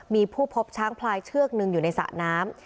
มีผู้พบช้างพลายเชือกหนึ่งอยู่ในสระน้ำ